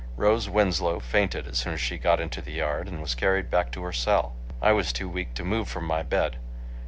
Rose Winslow fainted as soon as she got into the yard, and was carried back to her cell. I was too weak to move from my bed.